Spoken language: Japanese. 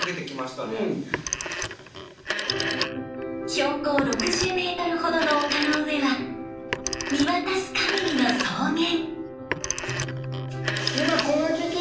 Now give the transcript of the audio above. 標高６０メートルほどの丘の上は見渡すかぎりの草原。